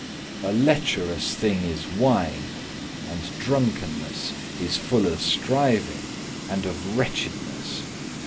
A lecherous thing is wine, and drunkenness Is full of striving and of wretchedness.